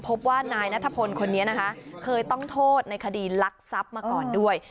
พบว่านายนัทพลคนนี้นะคะเคยต้องโทษในคดีลักทรัพย์มาก่อนด้วย